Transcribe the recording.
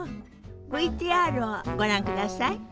ＶＴＲをご覧ください。